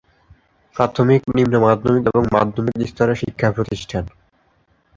প্রাথমিক, নিম্ন-মাধ্যমিক এবং মাধ্যমিক স্তরের শিক্ষা প্রতিষ্ঠান।